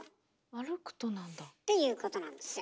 歩くとなんだ。っていうことなんですよ。